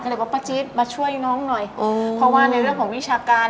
ก็เลยบอกป้าจิ๊ดมาช่วยน้องหน่อยเพราะว่าในเรื่องของวิชาการ